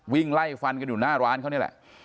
วิ่งไล่ฟันกันอยู่หน้าร้านเขานี่แหละ